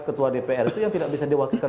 ketua dpr itu yang tidak bisa diwakilkan